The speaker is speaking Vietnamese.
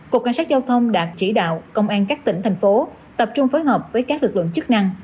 cục cảnh sát giao thông đã chỉ đạo công an các tỉnh thành phố tập trung phối hợp với các lực lượng chức năng